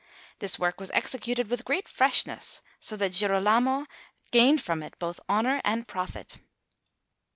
This work was executed with great freshness, so that Girolamo gained from it both honour and profit.